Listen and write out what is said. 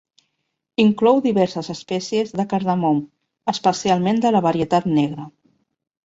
Inclou diverses espècies de cardamom, especialment de la varietat negra.